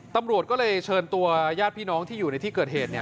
ตำรวจก็เลยเชิญตัวญาติพี่น้องที่อยู่ในที่เกิดเหตุ